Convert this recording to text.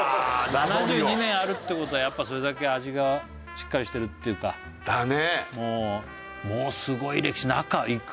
７２年あるってことはやっぱそれだけ味がしっかりしてるっていうかもうすごい歴史中行く？